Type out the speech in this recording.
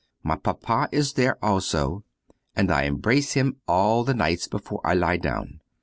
My Papa is there also, and I embrace him all the nights, before I lie down.